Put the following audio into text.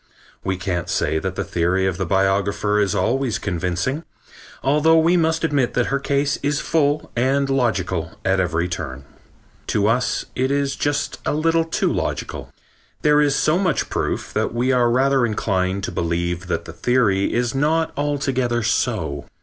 We can't say that the theory of the biographer is always convincing, although we must admit that her case is full and logical at every turn. To us it is just a little too logical. There is so much proof that we are rather inclined to believe that the theory is not altogether so.